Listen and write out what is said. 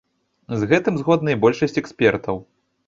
З гэтым згодна і большасць экспертаў.